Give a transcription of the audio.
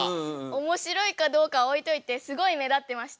おもしろいかどうかは置いといてすごい目立ってました。